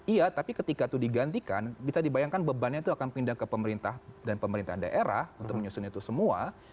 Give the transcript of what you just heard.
iya tapi ketika itu digantikan bisa dibayangkan bebannya itu akan pindah ke pemerintah dan pemerintah daerah untuk menyusun itu semua